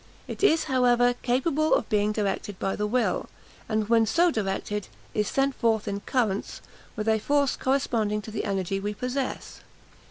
It is, however, "capable of being directed by the will;" and, when so directed, "is sent forth in currents," with a force corresponding to the energy we possess.